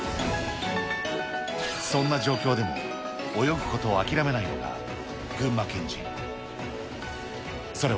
そんな状況でも泳ぐことを諦めないのが、群馬県人。